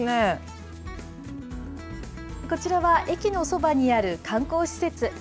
こちらは駅のそばにある観光施設。